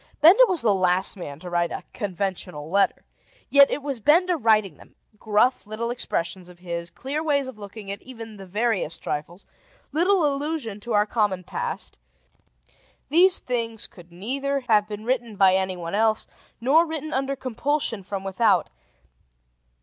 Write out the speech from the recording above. Benda was the last man to write a conventional letter. Yet, it was Benda writing them: gruff little expressions of his, clear ways of looking at even the veriest trifles, little allusion to our common past: these things could neither have been written by anyone else, nor written under compulsion from without.